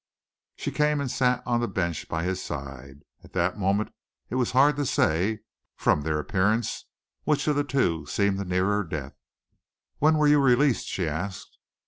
She came and sat on the bench by his side. At that moment it was hard to say, from their appearance, which of the two seemed the nearer death. "When were you released?" she asked.